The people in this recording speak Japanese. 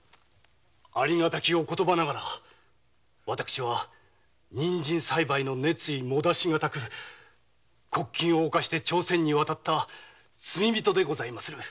ありがたきお言葉ながら私は人参栽培の熱意もだしがたく国禁を犯して朝鮮に渡った罪人でございまする。